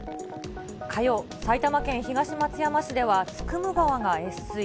火曜、埼玉県東松山市ではつくも川が越水。